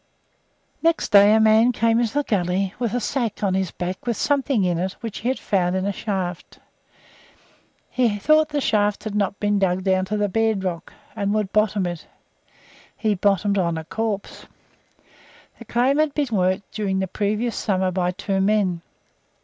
Next day a man came up the gully with a sack on his back with something in it which he had found in a shaft. He thought the shaft had not been dug down to the bedrock, and he would bottom it. He bottomed on a corpse. The claim had been worked during the previous summer by two men.